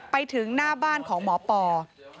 ไปถึงหน้าบ้านของหมอปอ